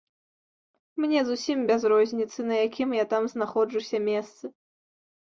Мне зусім без розніцы, на якім я там знаходжуся месцы.